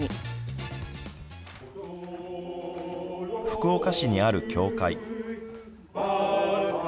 福岡市にある教会。